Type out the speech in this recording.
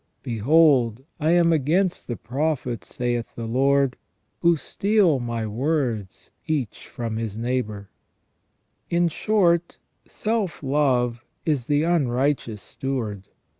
" Behold, I am against the prophets, saith the Lord, who steal my words, each from his neighbour." In short, self love is the unrighteous steward.